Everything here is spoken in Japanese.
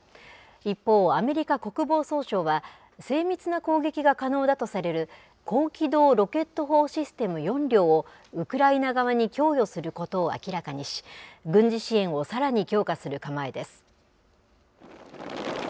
一方、アメリカ国防総省は、精密な攻撃が可能だとされる、高機動ロケット砲システム４両を、ウクライナ側に供与することを明らかにし、軍事支援をさらに強化する構えです。